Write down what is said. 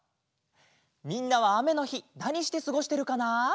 みんなはあめのひなにしてすごしてるかな？